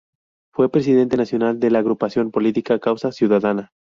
Fue presidente nacional de la agrupación política "Causa Ciudadana".